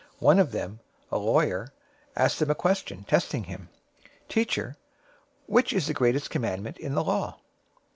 022:035 One of them, a lawyer, asked him a question, testing him. 022:036 "Teacher, which is the greatest commandment in the law?"